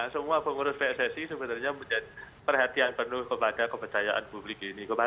semua pengurus pssi sebenarnya punya perhatian penuh kepercayaan publik